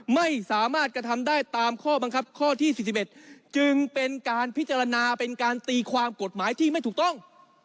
ไม่สามารถกระทำได้ตามข้อบังคับข้อที่๔๑จึงเป็นการพิจารณาเป็นการตีความกฎหมายที่ไม่ถูกต้อง